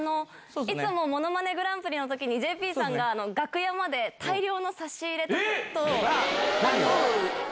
いつもものまねグランプリのときに、ＪＰさんが楽屋まで大量の差し入れと。